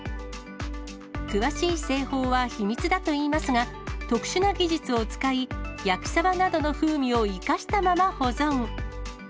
詳しい製法は秘密だといいますが、特殊な技術を使い、焼きさばなどの風味を生かしたまま保存。